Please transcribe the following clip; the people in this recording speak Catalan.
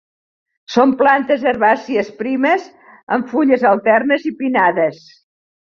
Són plantes herbàcies primes amb fulles alternes i pinnades.